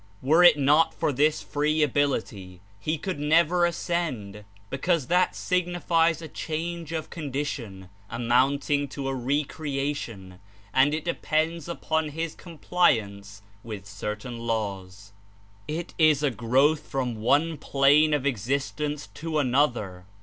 Were it not for this free ability, he could never ascend, because that signifies a change of condition amounting to a re crcatlon, and it depends upon his compliance with certain laws. It Is a growth from one plane of ex istence to another.